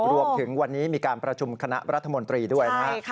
รวมถึงวันนี้มีการประชุมคณะรัฐมนตรีด้วยนะครับ